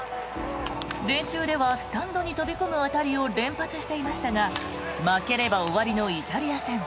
練習ではスタンドに飛び込む当たりを連発していましたが負ければ終わりのイタリア戦。